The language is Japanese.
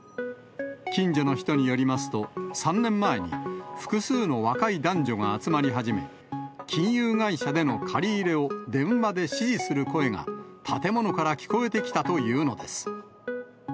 近所の人によりますと、３年前に複数の若い男女が集まり始め、金融会社での借り入れを電話で指示する声が建物から聞こえてきたというのです。